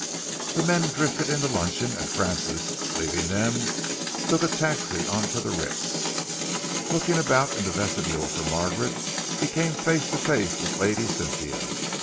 The men drifted in to luncheon and Francis, leaving them, took a taxi on to the Ritz. Looking about in the vestibule for Margaret, he came face to face with Lady Cynthia.